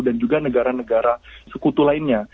dan juga negara negara sekutu lainnya